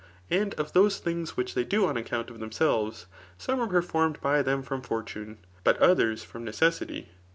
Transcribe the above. And of those things which they do on acc6unt of themselves, flDoie ate performed by them from fortune, but others from necessity.